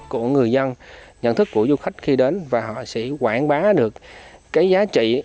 của người dân nhận thức của du khách khi đến và họ sẽ quảng bá được cái giá trị